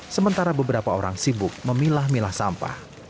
sementara beberapa orang sibuk memilah milah sampah